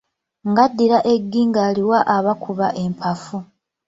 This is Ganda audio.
Ng'addira eggi ng'aliwa abakuba empafu.